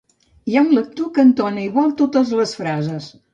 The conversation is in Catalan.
Hi ha un lector que entona igual totes les frases